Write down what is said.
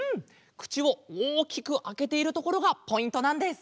くちをおおきくあけているところがポイントなんです！